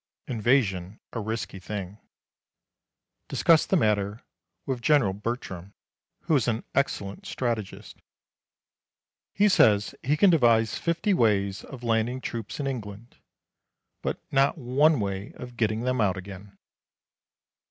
Invasion a risky thing. Discussed the matter with General Bertram, who is an excellent strategist. He says he can devise fifty ways of landing troops in England, but not one way of getting them out again.